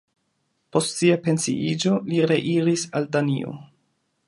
Post sia pensiiĝo li reiris al Danio.